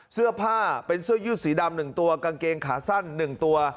เสื้อผ้าเป็นเสื้อยู่ดสีดำหนึ่งตัวกางเกงขาสั้นหนึ่งตัว